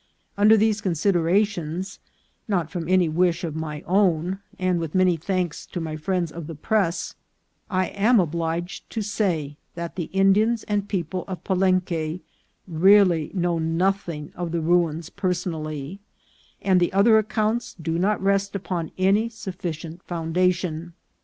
Under these considerations, not from any wish of my own, and with many thanks to my friends of the press, I am obliged to say that the Indians and people of Palenque really know nothing of the ruins personally, and the other accounts do not rest upon any sufficient foundation.